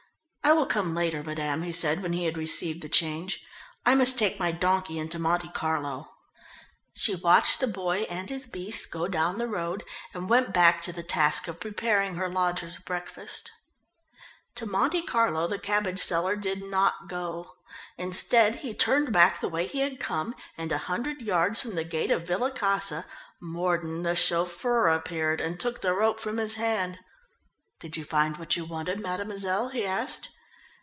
"I will come later, madame," he said, when he had received the change. "I must take my donkey into Monte Carlo." She watched the boy and his beast go down the road, and went back to the task of preparing her lodger's breakfast. To Monte Carlo the cabbage seller did not go. Instead, he turned back the way he had come, and a hundred yards from the gate of Villa Casa, Mordon, the chauffeur, appeared, and took the rope from his hand. "Did you find what you wanted, mademoiselle?" he asked.